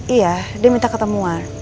iya dia minta ketemuan